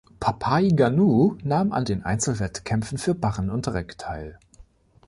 Papaigannou nahm an den Einzelwettkämpfen für Barren und Reck teil.